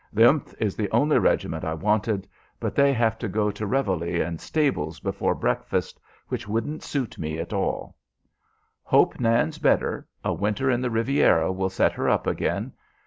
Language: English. The th is the only regiment I wanted; but they have to go to reveille and stables before breakfast, which wouldn't suit me at all. "Hope Nan's better. A winter in the Riviera will set her up again.